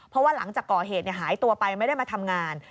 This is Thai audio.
เพราะว่าหลังจากก่อเหตุหายตัวไปไม่ได้มาทำงาน